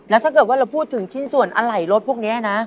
แล้วถ้าเกิดว่าเราพูดถึงชิ้นส่วนอะไหล่รถพวกนี้นะ